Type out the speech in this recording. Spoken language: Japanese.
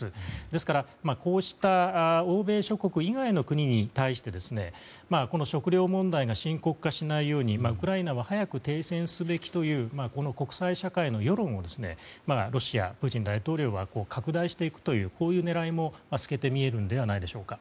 ですから、こうした欧米諸国以外の国に対してこの食料問題が深刻化しないようにウクライナは早く停戦すべきという国際社会の世論をロシアのプーチン大統領は拡大していくというこういう狙いも透けて見えるのではないでしょうか。